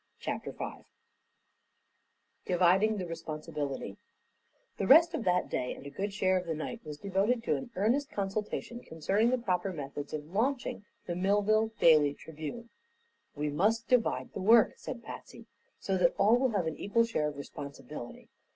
CHAPTER V DIVIDING THE RESPONSIBILITY The rest of that day and a good share of the night was devoted to an earnest consultation concerning the proper methods of launching the Millville Daily Tribune. "We must divide the work," said Patsy, "so that all will have an equal share of responsibility.